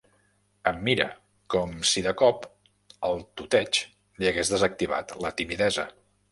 Em mira, com si de cop el tuteig li hagués desactivat la timidesa.